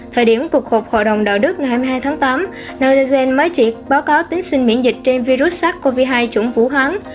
thời điểm cuộc họp hội đồng đạo đức ngày hai mươi hai tháng tám nagen mới chỉ báo cáo tiến sinh miễn dịch trên virus sars cov hai chuẩn vũ hán